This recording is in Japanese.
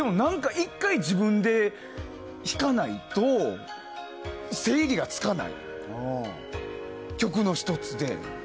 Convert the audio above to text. １回自分で弾かないと整理がつかない曲の１つで。